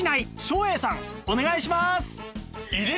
お願いします！